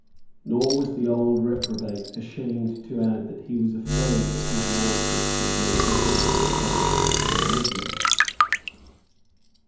Nor was the old reprobate ashamed to add that he was afraid that his Lordship was no better than a Hobbist in religion.